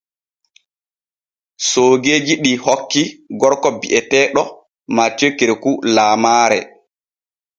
Soogeeji ɗi kokki gorko bi’eteeɗo MATHIEU KEREKOU laamaare.